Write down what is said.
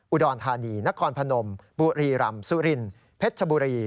อุดรธานีนครพนมบุรีรำสุรินเพชรชบุรี